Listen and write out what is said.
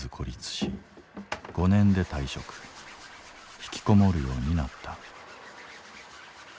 ひきこもるようになった。